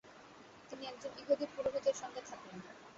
তিনি একজন ইহুদি পুরোহিতের সঙ্গে থাকলেন।